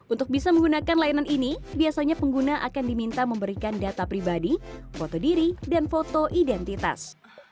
untuk bisa menggunakan layanan ini biasanya pengguna akan diminta memberikan data pribadi foto diri dan foto identitas